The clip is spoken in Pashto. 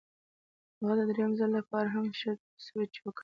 هغه د درېیم ځل لپاره هم ښه سوچ وکړ.